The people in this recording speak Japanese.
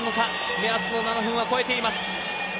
目安の７分は超えています。